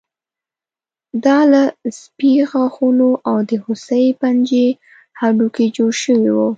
دا له سپي غاښونو او د هوسۍ پنجې هډوکي جوړ شوي وو